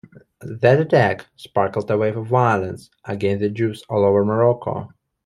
That attack sparked a wave of violence against the Jews all over Morocco.